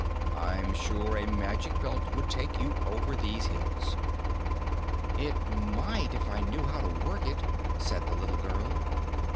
I'm sure a Magic Belt would take you over these hills." "It might if I knew how to work it," said the little girl.